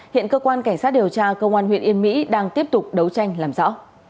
hiện cơ quan cảnh sát điều tra công an huyện yên mỹ đang tiếp tục đấu tranh làm rõ